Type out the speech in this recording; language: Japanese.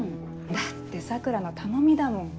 だって桜の頼みだもん。